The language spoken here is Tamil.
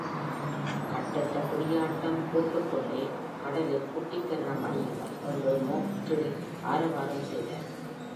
கட்டற்ற குதியாட்டம் போட்டுக் கொண்டே 'கடலில் குட்டிக்கரணம் அடியுங்கள்!' என்று மோக் டர்டில் ஆரவாரம் செய்தார்.